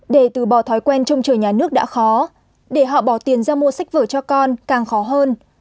để từ bỏ thói quen trông chờ nhà nước đã khó để họ bỏ tiền ra mua sách vở cho con càng khó hơn